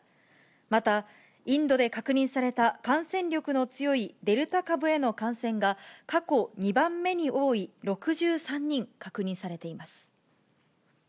また、インドで確認された感染力の強いデルタ株への感染が、過去２番目に多い６３人確認されています。